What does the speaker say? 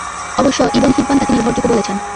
অবশ্য Ibn Hibban তাকে নির্ভরযোগ্য বলেছেন।